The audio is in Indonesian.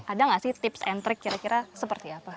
ada nggak sih tips and trick kira kira seperti apa